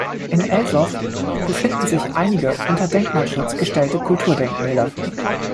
In Elsoff befinden sich einige unter Denkmalschutz gestellte Kulturdenkmäler.